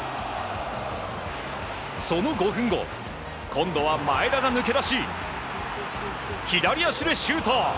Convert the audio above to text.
その５分後今度は前田が抜け出し左足でシュート！